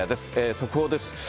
速報です。